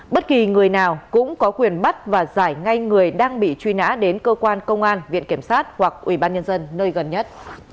bất kỳ người nào cũng có quyền bắt và giải ngay người đang bị truy nã đến cơ quan công an viện kiểm soát hoặc ubnd nơi gần nhất